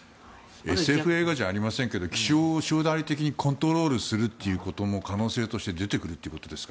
ＳＦ映画じゃないですが気象を将来的にコントロールすることも可能性として出てくるということですか。